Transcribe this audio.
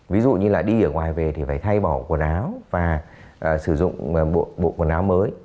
ví dụ như là đi ở ngoài về thì phải thay bỏ quần áo và sử dụng bộ quần áo mới